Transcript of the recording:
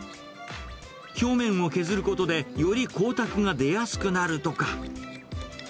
表面を削ることで、より光沢が出やすくなるとか。